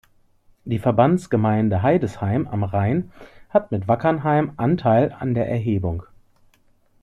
Die Verbandsgemeinde Heidesheim am Rhein hat mit Wackernheim Anteil an der Erhebung.